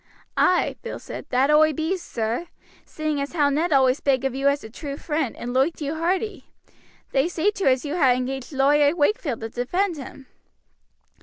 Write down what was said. "Ay," Bill said, "that oi be, sir, seeing as how Ned always spake of you as a true friend, and loiked you hearty. They say too as you ha' engaged Lawyer Wakefield to defend him."